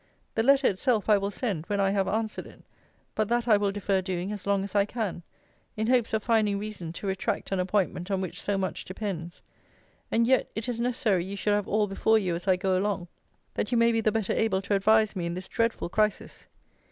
The letter itself I will send, when I have answered it; but that I will defer doing as long as I can, in hopes of finding reason to retract an appointment on which so much depends. And yet it is necessary you should have all before you as I go along, that you may be the better able to advise me in this dreadful crisis.